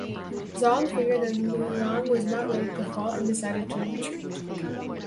Zhang figured that Luoyang was not ready to fall and decided to retreat.